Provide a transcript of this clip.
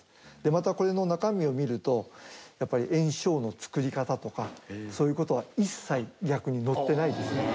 またこれの中身を見るとやっぱり焔硝の作り方とかそういう事は一切逆に載ってないですね。